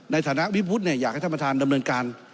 ในฐานะวิวุฒิอยากให้ท่านประธานดำเนินการ